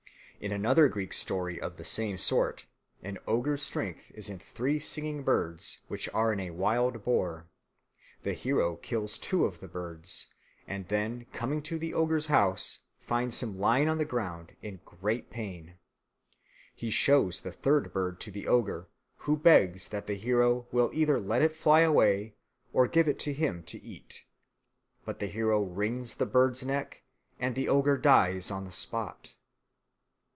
In another Greek story of the same sort an ogre's strength is in three singing birds which are in a wild boar. The hero kills two of the birds, and then coming to the ogre's house finds him lying on the ground in great pain. He shows the third bird to the ogre, who begs that the hero will either let it fly away or give it to him to eat. But the hero wrings the bird's neck, and the ogre dies on the spot.